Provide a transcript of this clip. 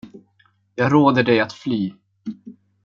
Jag råder dig att fly.